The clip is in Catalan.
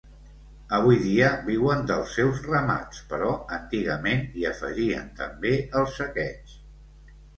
Avui dia viuen dels seus ramats però antigament hi afegien també el saqueig.